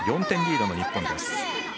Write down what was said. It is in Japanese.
４点リードの日本です。